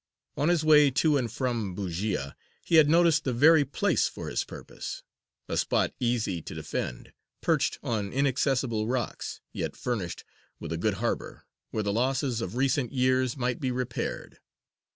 On his way to and from Bujēya he had noticed the very place for his purpose a spot easy to defend, perched on inaccessible rocks, yet furnished with a good harbour, where the losses of recent years might be repaired.